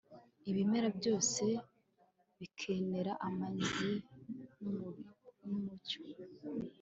ibimera byose bikenera amazi numucyo